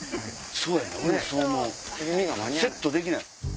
俺もそう思うセットできない。